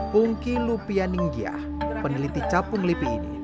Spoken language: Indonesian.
pungki lupia ninggiah peneliti capung lipi ini